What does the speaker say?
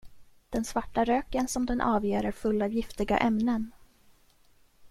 Den svarta röken som den avger är full av giftiga ämnen.